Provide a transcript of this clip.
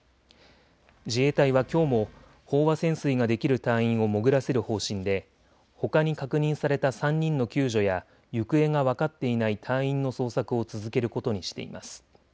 自衛隊はきょうも飽和潜水ができる隊員を潜らせる方針でほかに確認された３人の救助や行方が分かっていない隊員の捜索を続けることにしています。